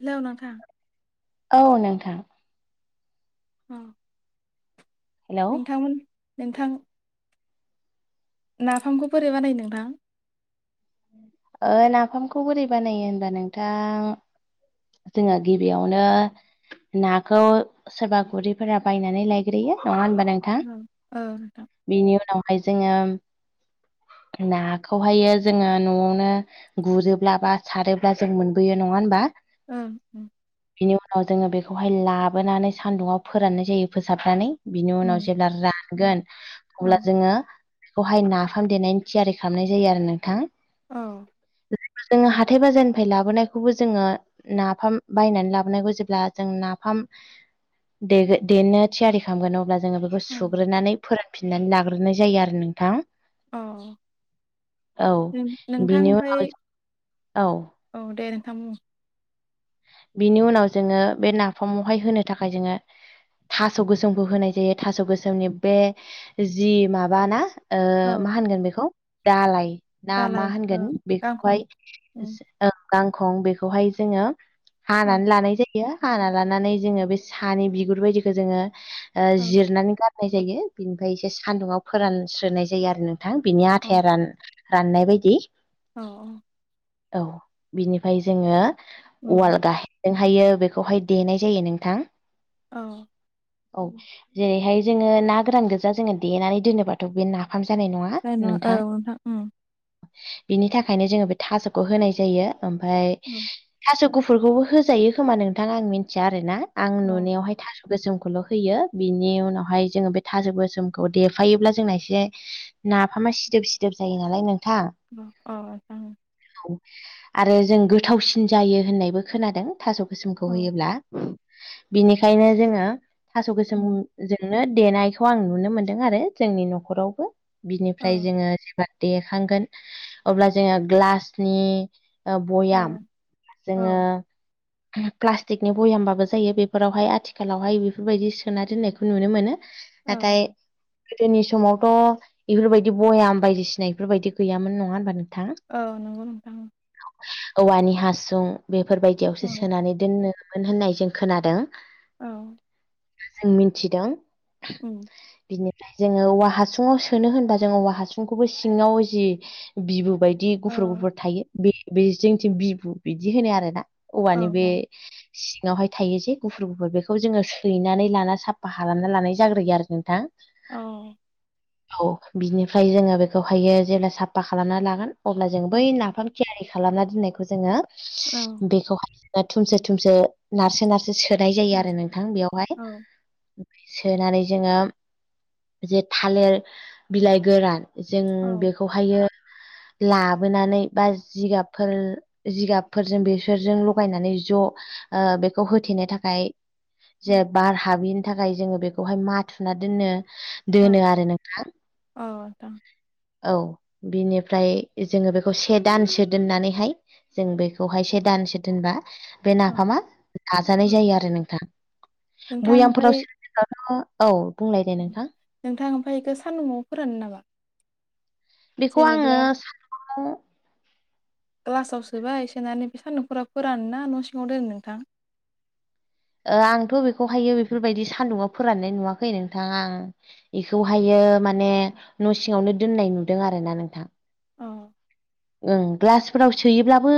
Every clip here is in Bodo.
हेलौ नोंथां औ नोंथां अ हेलौ नोंथांमोन नोंथां नाफामखौ बोरै बानायो नोंथां? ओ नाफामखौ बोरै बानायो होनबा नोंथां जोङो गिबियावनो नाखौ सोरबा गुरैफोरा बायनानै लायग्रोयो नङा होनबा नों औ ओ नोंथां बिनि उनावहाय जोङो नाखौहायो जोङो न'आवनो गुरोब्ला बा सारोब्ला जों मोनबोयो नङा होमबा। ओअ ओम बिनि उनाव जोंङो बेखौहाय लाबोनानै सान्दुंङाव फोराननाय जायो फोसाबनानै। बिनि ओं उनाव जेब्ला रानगोन औ अब्ला जोङो बेखौहाय नाफाम देनायनि थियारि खालामनाय जायो आरो नोंथां। औ जोङो हाथाय बाजारनिफ्राय लाबोनायखौबो जोङो नाफाम बायनानै लाबोनांखौ जेब्ला जों नाफाम देगोन देनो थियारि खालामगोन अब्ला जोङो बे सुग्रोनानै फोरानफिननानै लाग्रोनाय जायो आरो नोंथां। अ औ नोंथां बिनि ओमफ्राय उनाव औ औ दे नोंथां बुं बिनि उनाव जोङो बे नाफामावहाय होनो थाखाय जोङो थास' गोसोमखौ होनाय जायो थास' गोसोमनि बे जि माबाना औ मा होनगोन बेखौ दालाय ना मा दालाय ओ होनगोन गांखं बेखौहाय उम ओं गांखं बेखौहाय जोङो औ हानानै लानाय जायो हाना लानानै जोङो बे सानि बिगुर बायदिखौ जोङो औ जिरनानै गारनाय जायो बिनिफ्राय एसे सानदुंआव फोरानस्रोनाय जायो आरो नों थां बिनि औ आथाया रान राननाय बायदि। औ औ औ बिनिफाय जोङो उम वाल [unintelligible] हायो बेखौहाय देनाय जायो नोंथां औ औ जेरैहाय जोंङो ना गोरान गोजा जोंङो देनानै दोनोबाथ' बे नाफाम जानाय नङा जानाय नङा औ नोंथां ओम इनि थाखायनो जोंङो बे थास'खौ होनाय जायो ओमफाय उम थास' गुफ गुफुरखौबो होजायो खोमा नोंथां आं मिन्थिया आरो ना आं औ औ नुनायावहाय थास' गोसोमखौल होयो बिनि उनावहाय जोङो बे थाजो गोसोमखौ देफायोब्ला जोंना एसे नाफामा सिदोब सिदोब जायो नालाय नोंथां अ नोंथां ओम औ आरो जों गोथावसिन जायो होननायबो खोनादों थास' गोसोमखौ औ होयोब्ला बिनिखायनो जोंङो थास' गोसोम उम जोंनो देनायखौ आं नुनो मोनदों आरो जोंनि नखरावबो औ बिनिफ्राय जोङो जेब देखांगोन अब्ला जोङो ग्लासनि ओ औ बयाम जोङो औ प्लास्टिकनि भयामबाबो जायो बेफोरावहाय आथिखालावहाय बेफोरबायदि सोना दोननायखौ नुनो मोनो औ नाथाय गोदोनि समावथ' इफोरबायदि बयाम बायदिसिना इफोरबायदि गैयामोन नंङा होमबा नोंथां औ नंगौ नोंथां औवानि हासुं बेफोरबायदियावसो औ सोनानै दोननो मोन होननाय जों खोनादों औ मिथिदों उम बिनिफ्राय जोङो औवा हासुुङाव सोनो होनबा जोङो औवा हासुंखौबो सिङाव जि बिबु बाय दि गुफुर औ गुफुर थायो बे बे जोंथिं बिबु बिदि होनो आरो ना औ औवानि बे सिङावहाय थायो जे गुफुर गुफुर बेखौ जोङो सैनानै लाना साफा खालामना लानाय जाग्रोयो आरो नोंथां अह औ बिनिफ्राय जोङो बेखौहायो जेब्ला साफा खालामना लागोन अब्ला जों बै औ नाफाम थियारि खालामना दोननायखौ जोङो औ बेखौहाय थुमसो थुमसो नारसो नार सोनाय जायो आरो नोंथां बेयावहाय औ सोनानै जोङो जे थालेर बिलाइ गोरान जों औ बेखौ खौहायो लाबोनानै बा जिगाबफोर जिगाबफोरजों बे फोरजों लगायनानै ज' ओ बेखौ होथेनो थाखाय जे बार हाबिनि थाखाय जोङो बेखौहाय माथुना दोननो औ दोनो आरो नोंथां नोंथां औ बिनिफ्राय जोङो बेखौ से दानसो दोननानैहाय जों बेखौहाय से दानसे दोनबा बे औ नाफामा जाजानाय औ जायो आरो नोंथां नोंथां बयामफोराव ओमफ्राय [unintelligible] औ बुंलाय दे नोंथां नोंथां ओमफाय बइखौ सान्दुंआव फोरानो नामा बिखौ आङो जेनेबा [inaudible] ग्लासाव सोबाय सोनानै बे सान्दुंफोराव फोरानो ना न' सिङाव दोनो नोंथां ओ आंथ' बेखौहायो बेफोरबायदि सान्दुङाव फोराननाय नुवाखै नोंथां आं बेखौहायो माने न' सिङावनो दोननाय नुदों आरो ना नोंथां अह ओम ग्लासफोराव सोयोब्लाबो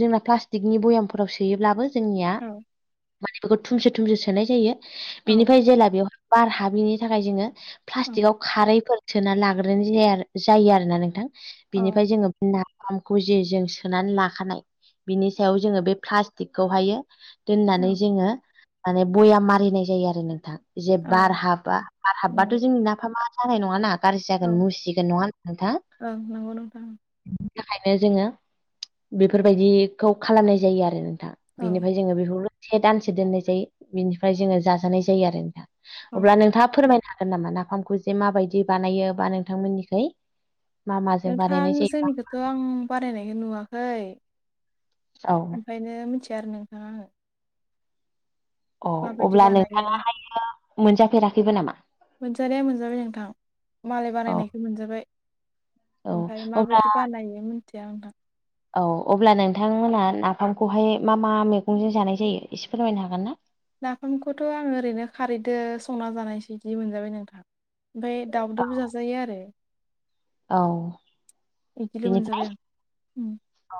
जोंना प्लास्टिकनि बयामफोराव सोयोब्लाबो जोंनिया औ माने बेखौ धुमसो धुमसो सोनाय जायो औ बिनिफ्राय जेला बेवहाय बार हाबिनि थाखाय जोङो औ प्लास्टिकआव खारैफोर सोना लाग्रोनो जाया जायो आरोना नोंथां औ बिनि जोङो नाफामखौ जि जों सोनानै लाखानाय बिनि सायाव जोङो बे प्लास्टिकखौहायो दोननानै औ जोङो माने बयाम मारिनाय जायो आरो नोंथां। जे बार औ हाबा बार हाबबाथ' जोंनि नाफामा जानाय नङाना? गाज्रि जागोन मुसिगोन नङा होन नोंथां? औ नंगौ नोंथां उम। बेनि थाखायनो जोङो बेफोरबायदिखौ खालामनाय जायो आरो नोंथां औ बेनिफाय जोङो बेखौल से दानसे दोननाय जायो बिनिफाय जोङो जाजानाय जायो आरो नोंथां। औ अब्ला नोंथाङा फोरमायनो हागोन नामा? नाफामखौ जे माबायदि बानायो बा नोंथांमोननिखै? मा माजों बानायनाय नोंथां जायोबा जोंनिखौथ' आं बारायनायखौ नुवाखै। औ। ओंखायनो मिन्थिया आरो नोंथां आङो। औ माबायदि अब्ला नोंथां बानायो मोनजाफेराखैबो नामा मोनजानाया मोनजाबाय नोंथां। मालाय औ बानायनायखौ मोनजाबाय औ ओमफ्राय अब्ला माबायदि बानायो मिनथिया ओनथां। औ अब्ला नोंथांमोना नाफामखौहाय मा मा मैगंजों जानाय जायो एसे फोरमायनो हागोन ना? नाफामखौथ' आङो ओरैनो खारैदो संना जानायसो बिदि मोनजाबाय नोंथां। ओमफ्राय दाउदोबो जाजायो आरो। औ। इदिखौ' बिनिफ्राय मोनजाबाय आं उम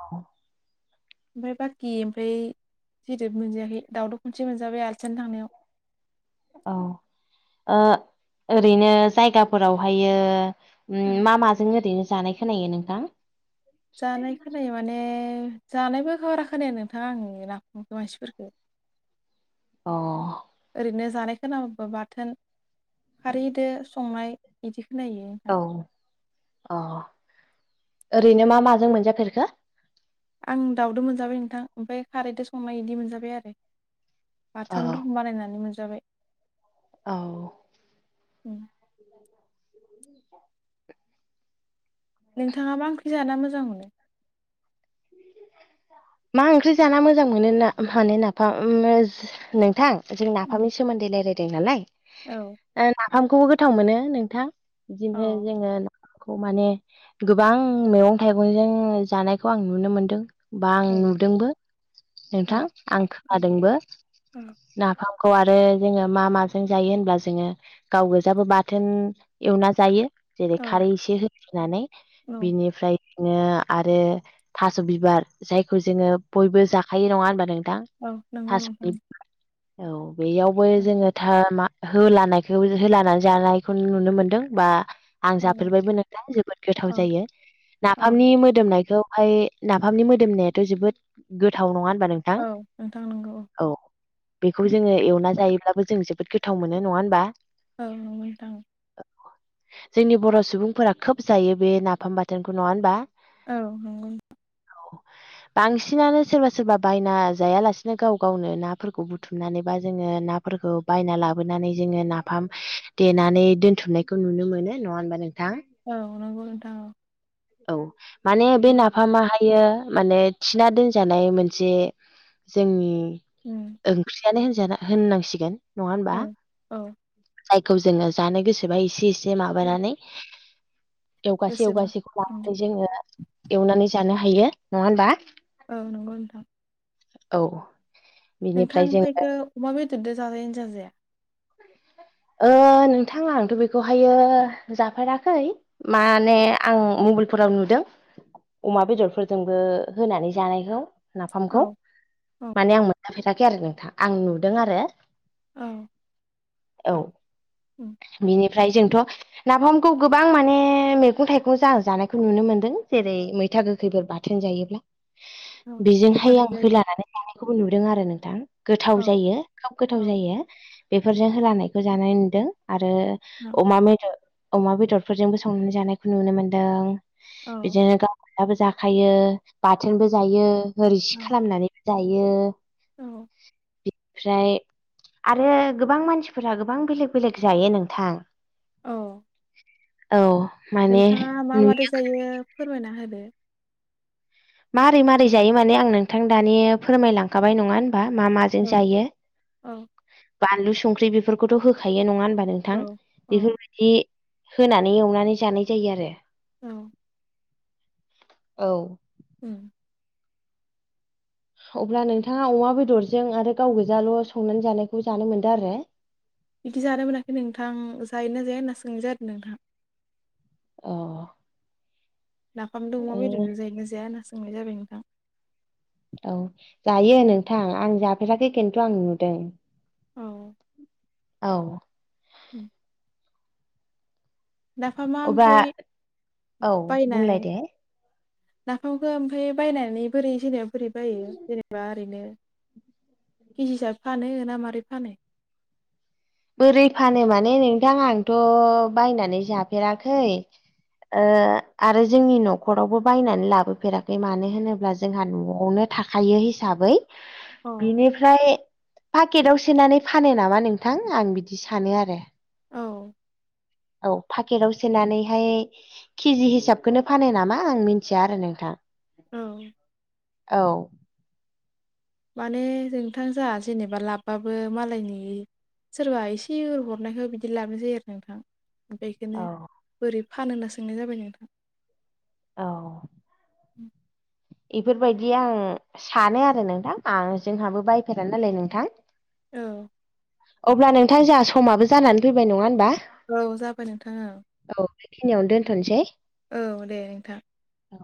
औ बाखि ओमफ्राय सिदोब मोनजायाखै दावदब खनसे मोनजाबाय आलासि जानो थांनायाव। औ ओ ओरैनो जायगाफोरावहायो उम औ मा माजों ओरैनो जानाय खोनायो नोंथां? जानाय खोनायो माने जानायबो बारा खोनाया नोंथाङा आंनि नाफाम मानसिफोरफोरखौ। अ ओरैनो जानाय खोनाबाबो बाथोन खारैदो संनाय इदि खोनायो। औ अ ओरैनो मा माजों मोनजाफेरखो? आं दाउदो मोनजाबाय नोंथां ओमफ्राय खारैजों संनाय बिदि मोनजाबाय आरो। औ बाथोन रुम बानायनानै मोनजाबाय औ। उम। नोंथाङा मा ओंख्रि जाना मोजां मोनो। मा ओंख्रि जाना मोजां मोनो ना माने नाफाम नोंथां। जों उम नाफामनि सोमोन्दै रायलायदों नालाय औ। ओ नाफामखौबो गोथाव मोनो नोंथां औ बिदिनो जोङो खौ माने गोबां मैगं-थाइगंजों जानायखौ आं नुनो मोनदों। बा आं औ नुदोंबो औ नोंथां आं खोनादोंबो। औ नाफामखौ आरो जोङो मा-मा जों जायो होनब्ला जोङो गाव गोजाबो बाथोन एवना जायो। जेरै औ खारै एसे होफिनानै औ बिनिफ्राय बिदिनो आरो थास' बिबार जायखौ जोङो बयबो जाखायो नङा होनबा नोंथां? औ नंगौ थास' नोंथां। औ बेयावबो जोङो था मा होलानायखौ होलानानै जानायखौ नुनो मोनदों बा आं औ जाफेरबायबो नोंथां जोबोद गोथाव औ जायो औ नाफामनि मोदोमनायखौहाय नाफामनि मोदोमनायाथ' जोबोद गोथाव नङा होनबा नों औ नोंथां नंगौ औ। बेखौ उम जोङो एवना जायोब्लाबो जों जोबोद गोथाव मोनो नङा होनबा? औ नंगौ नोंथां। जोंनि बर' सुबुंफोरा खोब जायो बे नाफाम बाथोनखौ नङा होनबा? औ नंगौ। बांसिनानो सोरबा -सोरबा बायना जायालासिनो गाव- गावनो नाफोरखौ बुथुमनानैबा जोङो नाफोरखौ बायना लाबोनानै जोङो नाफाम देनानै दोनथुमनायखौ नुनो मोनो नङा होनबा नोंथां? औ नंगौ नोंथां औ। औ माने बे नाफामाहायो माने थिना दोनजानाय मोनसे जोंनि उम। ओंख्रियानो होनजा होननांसिगोन नङा होनबा? औ औ जायखौ जोङो जानो गोसोबा एसे -एसे माबानानै एवगासे गासैबो -एवगासेखौ उम लानानै जोङो एवनानै जानो हायो नङा होमबा? औ नंगौ नोंथां। औ औ नोंथां [unintelligible] अमा बेदरजों जाजायोना जाजाया? ओ नोंथां आंथ' बेखौहायो जाफेराखै। माने आं मबाइलफोराव नुदों। अमा बेदरफोरजोंबो होनानै जानायखौ। नाफामखौ औ औ माने आं मोनजाफेराखै आरो नोंथां आं नुदों आरो। औ। औ उम बिनिफ्राय जोंथ' नाफामखौ गोबां माने मैगं -थाइगं जों जानायखौ नुनो मोन्दों जेरै मैथा गोखैफोर बाथोन जायोब्ला औ बेजोंहाय बोरै आं जायो होलानानै जानायखौबो नुदों आरो नोंथां। गोथाव औ जायो खोब औ गोथाव जायो बेफोरजों होलानायखौ जानाय नुदों आरो। औ अमा बेदर अमा बेदरफोरजोंबो संनानै जानायखौ नुनो मोनदों। औ बिदिनो [unintelligible] जाखायो बाथोनबो जायो रोसि औ खालामनानै जायो औ बिनिफ्राय आरो गोबां मानसि [unintelligible] गोबां बेलेग- बेलेग जायो नोंथां। औ। औ। माने नोंथाङा मा मादो नुयो जायो फोरमायना होदो? मारै- मारै जायो माने आं नोंथां दानि फोरमायलांखाबाय नङा होनबा? मा- मा औ जायो औ बानलु, संख्रि बेफोरखौथ' होखायो नङा होनबा? औ नोंथां औ बेफोरबायदि होनानै एवनानै जानाय जायो आरो। औ। औ। उम। अब्ला नोंथाङा अमा बेदरजों आरो गाव गोजाल' संनानै जानायखौ जानो मोनदों आरो। बिदि जानो मोनाखै नोंथां जायो ना जाया होनना सोंनाय जादों नोंथां? ओ। नाफामदो अमा बेदरजों जायोना जाया होनना सोंनाय जादो? औ जायो नोंथां आं जाफेराखै खिन्थु आं नुदों। औ। औ। [unintelligible] नाफामा अब्ला ओमफाय औ बायनाय बुंलाय दे नाफामखौ ओमफ्राय बायनानै बोरै जेनेबा बोरै बायो जेनेबा ओरैनो केजिसाब फानो ना मारै फानो? बोरै फानो माने नोंथां आंथ' बायनानै जाफेराखै। आरो जोंनि न'खरावबो बायनानै लाबोफेराखै मानो होनोब्ला जोंहा न'आवनो थाखायो हिसाबै अ बिनिफ्राय पाकेटाव सोनानै फानो नामा नोंथां? आं बिदि सानो आरो। औ। औ पाकेटआव सोनानैहाय किजि हिसाबखोनो फानो नामा आं मिन्थिया आरो नोंथां। औ औ। माने नोंथां जोहा जेनेबा लाबबाबो मालायनि सोरबा एसे हरनायखौ बिदि लाबनाय जायो आरो नोंथां। ओमफ्राय इखोनो औ बोरै फानो होनना सोंनाय जाबाय नोंथां। औ। इफोरबायदि आं सानो आरो नोंथां आं जोंहाबो बायफेरा नालाय नोंथां। ओं। अब्ला नोंथां जोंहा समाबो जानानै फैबाय नङा होनबा। औ जाबाय नोंथां औ। औ बेखिनियावनो दोनथ'नोसै औ दे नोंथां। औ